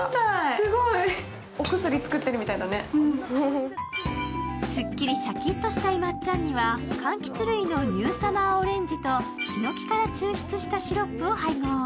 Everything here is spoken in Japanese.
すごい、お薬作ってるみたいだねすっきりシャキッとしたいまっちゃんには、かんきつ類のニューサマーオレンジとひのきから抽出したシロップを配合。